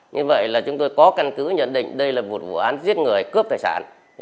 như vậy là chúng tôi có căn cứ nhận định đây là một vụ án giết người cướp tài sản